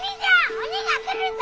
鬼が来るぞ！